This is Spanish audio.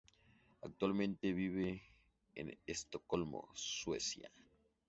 Actualmente vive en Estocolmo, Suecia.